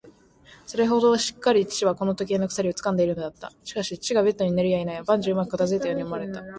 それほどしっかりと父はこの時計の鎖をつかんでいるのだった。しかし、父がベッドに寝るやいなや、万事うまく片づいたように思われた。